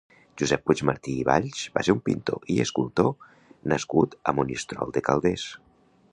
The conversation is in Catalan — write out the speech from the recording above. Josep Puigmartí i Valls va ser un pintor i escultor nascut a Monistrol de Calders.